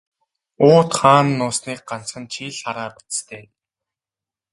Уут хаана нуусныг ганцхан чи л хараа биз дээ.